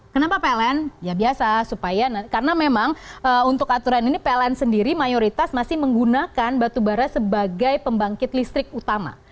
kenapa pln ya biasa supaya karena memang untuk aturan ini pln sendiri mayoritas masih menggunakan batubara sebagai pembangkit listrik utama